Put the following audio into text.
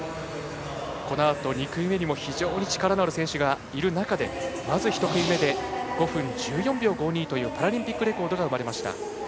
このあと２組目にも非常に力のある選手がいる中でまず１組目で５分１４秒５２というパラリンピックレコードが生まれました。